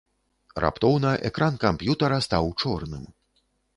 Раптоўна экран камп'ютара стаў чорным.